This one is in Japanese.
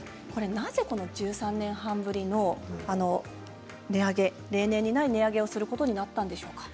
なぜ１３年半ぶりの例年にない値上げをすることになったんでしょうか？